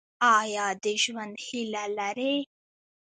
ایا د ژوند هیله لرئ؟